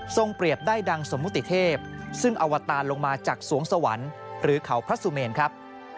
เปรียบได้ดังสมมุติเทพซึ่งอวตารลงมาจากสวงสวรรค์หรือเขาพระสุเมนครับ